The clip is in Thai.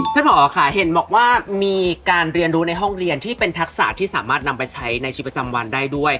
หมอค่ะเห็นบอกว่ามีการเรียนรู้ในห้องเรียนที่เป็นทักษะที่สามารถนำไปใช้ในชีวิตประจำวันได้ด้วย